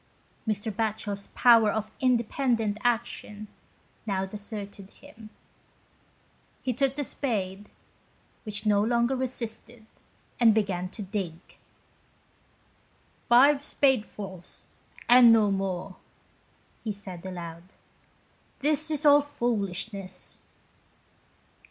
Mr. Batchel's power of independent action now deserted him. He took the spade, which no longer resisted, and began to dig. " Five spade fuls and no more," he said aloud. " This is all foolishness."